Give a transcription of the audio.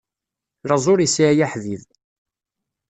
Laẓ ur isɛi aḥbib.